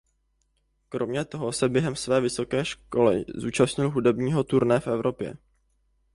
Kromě toho se během své vysoké školy účastnil hudebního turné v Evropě.